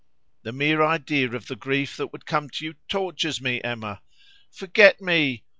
The mere idea of the grief that would come to you tortures me, Emma. Forget me!